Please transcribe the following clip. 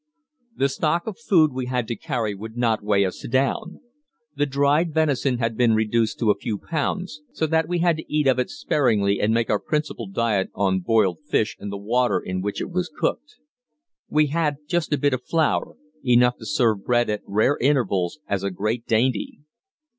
The stock of food we had to carry would not weigh us down. The dried venison had been reduced to a few pounds, so that we had to eat of it sparingly and make our principal diet on boiled fish and the water in which it was cooked. We had just a bit of flour, enough to serve bread at rare intervals as a great dainty.